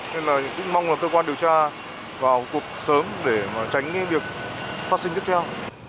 nên là cũng mong là cơ quan điều tra vào cuộc sớm để mà tránh việc phát sinh tiếp theo